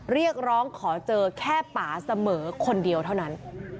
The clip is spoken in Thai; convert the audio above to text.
เรียกร้องขอเจอแค่ป่าเสมอคนเดียวเท่านั้น